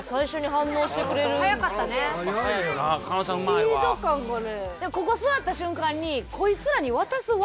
スピード感がね。